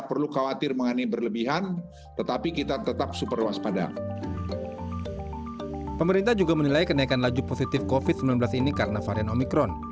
pemerintah juga menilai kenaikan laju positif covid sembilan belas ini karena varian omikron